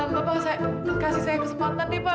bapak kasih saya kesempatan nih pak